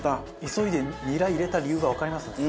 急いでニラ入れた理由がわかりますね。